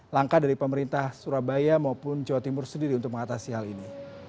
langkah dari pemerintah surabaya maupun jawa timur sendiri untuk mengatasi hal ini